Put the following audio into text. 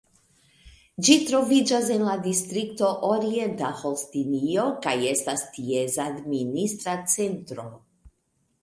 Ĝi troviĝas en la distrikto Orienta Holstinio, kaj estas ties administra centro.